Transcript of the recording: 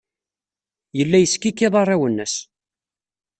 Yella yeskikkiḍ arraw-nnes.